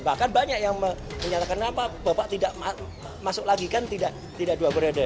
bahkan banyak yang menyatakan kenapa bapak tidak masuk lagi kan tidak dua periode